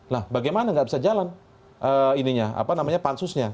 nah bagaimana nggak bisa jalan pansusnya